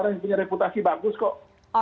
orang yang punya reputasi bagus kok